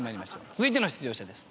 続いての出場者です。